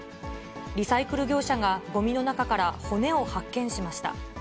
リサイクル業者がごみの中から骨を発見しました。